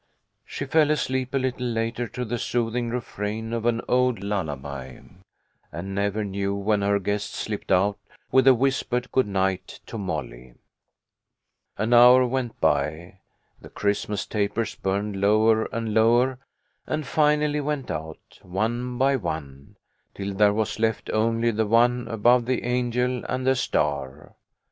She fell asleep a little later to the soothing refrain of an old lullaby, and never knew when her guests slipped out, with a whispered good night to Molly. An hour went by. The Christmas tapers burned lower and lower, and finally went out, one by one, till there was left only the one above the angel and the star.